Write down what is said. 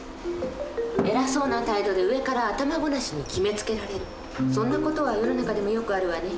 偉そうな態度で上から頭ごなしに決めつけられるそんな事は世の中でもよくあるわね。